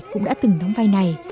cũng đã từng đóng vai này